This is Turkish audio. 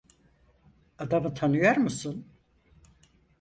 Adamı tanıyor musun?